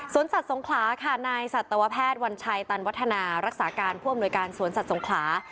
สัตว์สงขลาค่ะนายสัตวแพทย์วัญชัยตันวัฒนารักษาการผู้อำนวยการสวนสัตว์สงขลา